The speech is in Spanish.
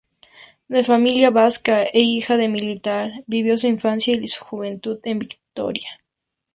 De familia vasca e hija de militar, vivió su infancia y juventud en Vitoria.